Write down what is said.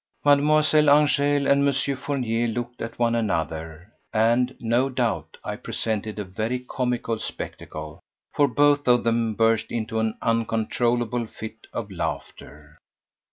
Mademoiselle Angèle and Monsieur Fournier looked at one another, and, no doubt, I presented a very comical spectacle; for both of them burst into an uncontrollable fit of laughter.